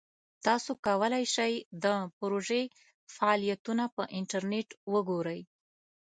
تاسو کولی شئ د پروژې فعالیتونه په انټرنیټ وګورئ.